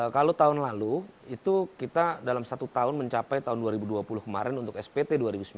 kalau tahun lalu itu kita dalam satu tahun mencapai tahun dua ribu dua puluh kemarin untuk spt